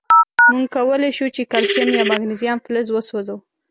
مونږ کولای شو چې کلسیم یا مګنیزیم فلز وسوځوو.